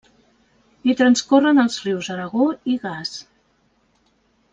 Hi transcorren els rius Aragó i Gas.